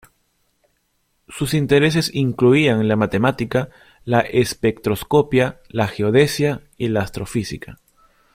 Sus intereses incluían la matemática, la espectroscopia, la geodesia y la astrofísica.